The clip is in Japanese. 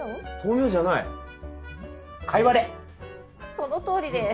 そのとおりです。